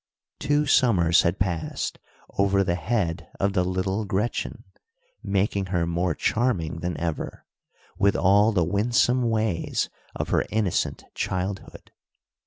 Two summers had passed over the head of the little Gretchen, making her more charming than ever, with all the winsome ways of her innocent childhood.